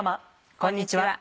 こんにちは。